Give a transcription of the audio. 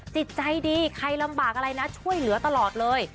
จิตใจดีใครลำบากอะไรนะช่วยเหลือตลอดเลย